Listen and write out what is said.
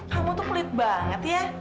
kamu tuh pelit banget ya